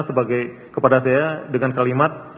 sebagai kepada saya dengan kalimat